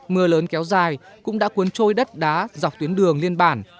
mưa lớn kéo dài cũng đã cuốn trôi đất đá dọc tuyến đường liên bản